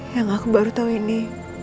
yang aku baru tahu ini